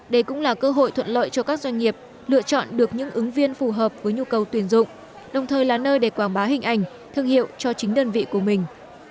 đây cũng là cơ hội thuận lợi cho các doanh nghiệp lựa chọn được những ứng viên phù hợp với nhu cầu tuyển dụng đồng thời là nơi để quảng bá hình ảnh thương hiệu cho chính đơn vị của mình